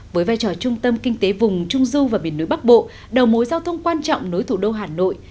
với vai trò trung tâm kinh tế vùng trung du và biển núi bắc bộ đầu mối giao thông quan trọng nối thủ đô hà nội